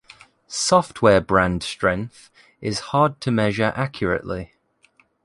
Software brand strength is hard to measure accurately.